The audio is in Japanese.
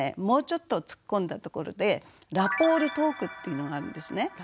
もうちょっと突っ込んだところでラポールトークっていうのがあるんですね。